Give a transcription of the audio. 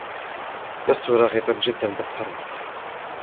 لستُ راغبًا جدا بالثروة.